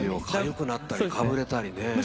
かゆくなったりかぶれたりね。